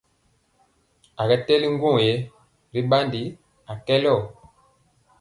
A kɛ tɛli ŋgwɔŋ yɛ ri ɓandi a kelɔ.